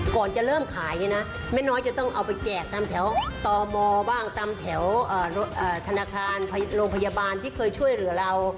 ก่อนจะเริ่มขายเนี่ยนะแม่น้อยจะต้องเอาไปแจกตามแถวตมบ้างตามแถวธนาคารโรงพยาบาลที่เคยช่วยเหลือเรา